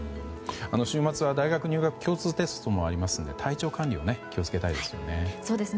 週末は大学入学共通テストもありますので体調管理を気を付けたいですよね。